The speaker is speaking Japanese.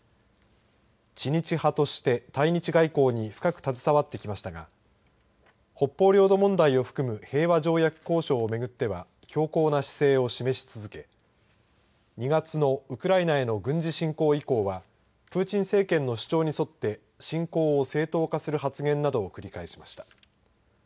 知日派として対日外交に深く携わってきましたが北方領土問題を含む平和条約交渉を巡っては強硬な姿勢を示し続け２月のウクライナへの軍事侵攻以降はプーチン政権の主張に沿って侵攻を正当化する発言などを繰り返しました。